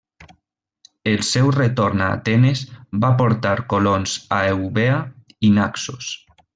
Al seu retorn a Atenes va portar colons a Eubea i Naxos.